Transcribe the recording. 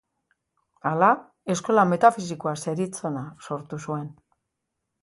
Hala, eskola metafisikoa zeritzona sortu zuen.